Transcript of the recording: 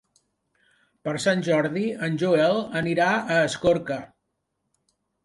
Per Sant Jordi en Joel anirà a Escorca.